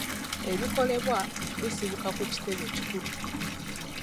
Ebikolebwa bisibuka ku kitebe ekikulu.